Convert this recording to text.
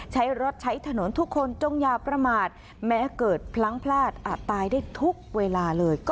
ใช้รถใช้ถนนทุกคนจงอย่าประมาทแม้เกิดพลั้งพลาดอาจตายได้ทุกเวลาเลย